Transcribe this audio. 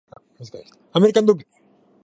アメリカンドッグ